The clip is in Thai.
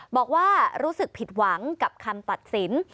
บอกว่ารู้สึกผิดหวังกับคำตัดสิน